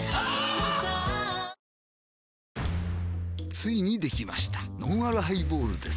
ついにできましたのんあるハイボールです